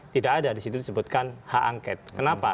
tidak ada di situ disebutkan hak angket kenapa